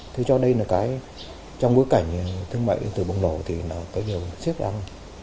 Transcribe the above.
thì cho đây là cái trong bối cảnh thương mại điện tử bộng đổ thì nó có nhiều xếp án